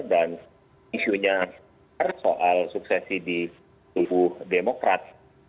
isunya soal suksesi di tubuh demokrat